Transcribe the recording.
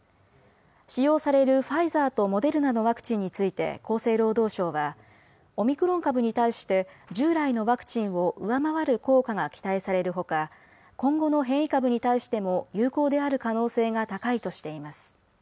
使用されるファイザーとモデルナのワクチンについて厚生労働省はオミクロン株に対して従来のワクチンを上回る効果が期待されるほか今後の変異株に対しても有効である可能性が高いとしています。